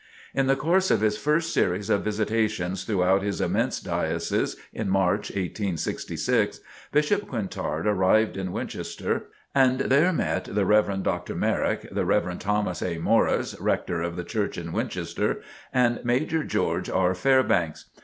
In the course of his first series of visitations throughout his immense Diocese, in March 1866, Bishop Quintard arrived in Winchester, and there met the Rev. Dr. Merrick, the Rev. Thomas A. Morris, rector of the church in Winchester, and Major George R. Fairbanks.